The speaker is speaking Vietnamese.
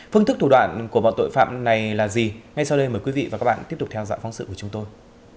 phương thức thủ đoạn của bọn tội phạm này là gì ngay sau đây mời quý vị và các bạn tiếp tục theo dõi phóng sự của chúng tôi